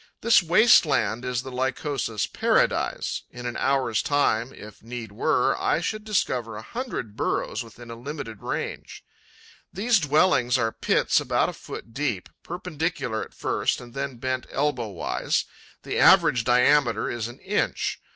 This waste land is the Lycosa's paradise: in an hour's time, if need were, I should discover a hundred burrows within a limited range. These dwellings are pits about a foot deep, perpendicular at first and then bent elbow wise. The average diameter is an inch.